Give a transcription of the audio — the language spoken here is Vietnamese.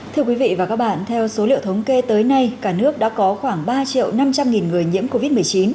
thưa quý vị và các bạn theo số liệu thống kê tới nay cả nước đã có khoảng ba triệu năm trăm linh nghìn người nhiễm covid một mươi chín